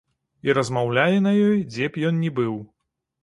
І размаўляе на ёй, дзе б ён ні быў.